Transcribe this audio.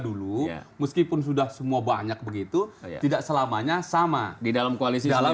dulu meskipun sudah semua banyak begitu tidak selamanya sama di dalam koalisi dalam